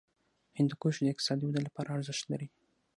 هندوکش د اقتصادي ودې لپاره ارزښت لري.